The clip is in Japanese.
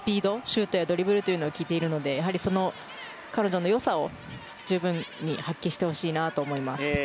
シュートやドリブルというのを聞いているので、彼女の良さを十分に発揮してほしいなと思います。